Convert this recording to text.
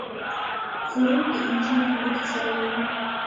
غرور د انسان اړیکې خرابوي.